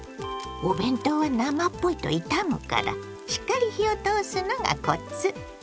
お弁当は生っぽいといたむからしっかり火を通すのがコツ。